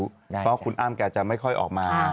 เพราะว่าคุณอามกั๊ยจะไม่ค่อยออกมา